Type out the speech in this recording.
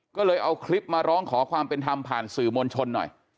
ก็เลยเอาคลิปมาร้องขอความเป็นธรรมผ่านสื่อมวลชนหน่อย